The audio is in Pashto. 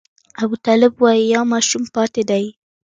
ابوطالب وايي یو ماشوم پاتې دی.